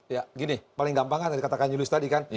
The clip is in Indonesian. ya gini paling gampang kan dari kata kanjulius tadi kan